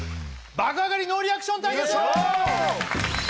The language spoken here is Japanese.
爆上がりノーリアクション対決！